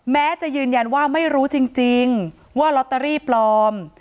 แม้จะยืนยันว่าไม่รู้จริงว่าลอตเตอรี่ปลอม